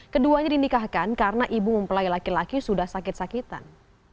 keduanya dinikahkan karena ibu mempelai laki laki sudah sakit sakitan